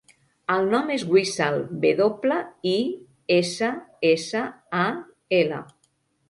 El nom és Wissal: ve doble, i, essa, essa, a, ela.